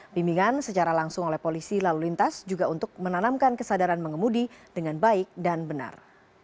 bimbingan secara langsung oleh polisi lalu lintas juga untuk menanamkan kesadaran mengemudi dengan baik dan benar